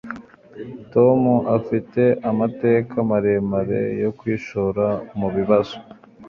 tom afite amateka maremare yo kwishora mubibazo